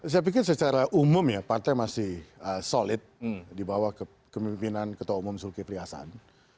saya pikir secara umum ya partai masih solid di bawah kemimpinan ketua umum zulkifli hasan